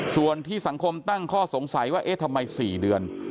ส่วนที่สังคมตั้งข้อสงสัยว่าเอ๊ะทำไม๔เดือน